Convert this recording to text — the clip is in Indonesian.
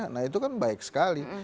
nah itu kan baik sekali